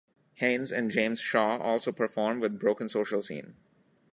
Haines and James Shaw also perform with Broken Social Scene.